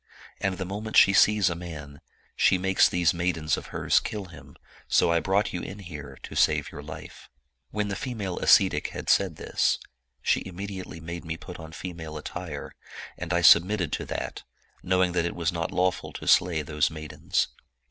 And the moment she sees a man, she makes these maidens of hers kill him : so I brought you in here to save your life.' " When the female ascetic had said this, she immediately made me put on female attire; and I submitted to that, knowing that it was not lawful to slay those maidens.